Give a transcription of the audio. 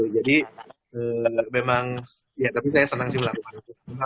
jadi memang tapi saya senang sih melakukan itu